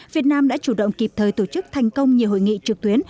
việt nam đã chủ động kịp thời tổ chức thành công nhiều hội nghị trực tuyến